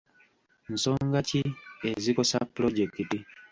Nsonga ki ezikosa pulojekiti?